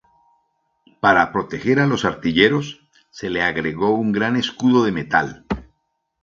Para proteger a los artilleros, se le agregó un gran escudo de metal.